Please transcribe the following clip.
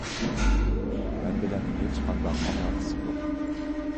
مەن بىلەن ھېچقانداق ئالاقىسى يوق.